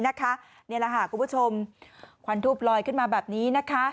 นี่แหละค่ะคุณผู้ชมควันทูบลอยขึ้นมาแบบนี้นะคะ